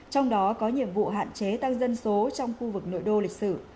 trong đó có nhiệm vụ hạn chế tăng dân số trong khu vực nội đô lịch sử